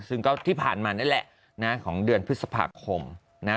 ซึ่งก็ที่ผ่านมานี่แหละนะของเดือนพฤษภาคมนะ